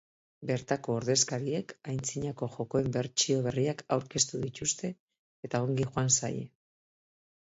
Bertako ordezkariek, antzinako jokoen bertsio berriak aurkeztu dituzte eta ongi joan zaie.